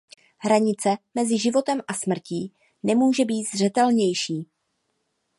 Hranice mezi životem a smrtí nemůže být zřetelnější.